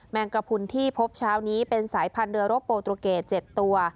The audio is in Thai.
งกระพุนที่พบเช้านี้เป็นสายพันธุเรือรบโปตุเกต๗ตัว